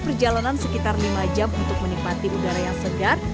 perjalanan sekitar lima jam untuk menikmati udara yang segar